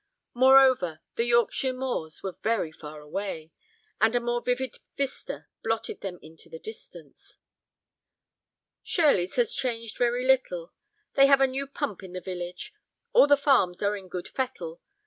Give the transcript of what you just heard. Moreover, the Yorkshire moors were very far away, and a more vivid vista blotted them into the distance. "Shirleys has changed very little. They have a new pump in the village. All the farms are in good fettle.